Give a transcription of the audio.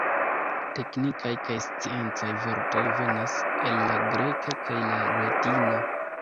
Teknikaj kaj sciencaj vortoj venas el la greka kaj la latina.